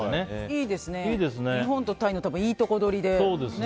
いいですね日本とタイのいいとこ取りで。